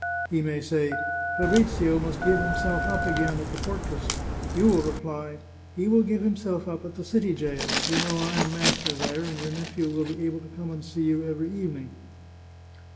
" He may say, * Fabrizio must give himself up again at the fortress.' You will reply, ' He will give himself up at the city jail ' (you know I am master there, and your nephew will be able to come and see you every evening).